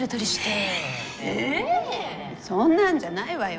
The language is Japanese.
そんなんじゃないわよ。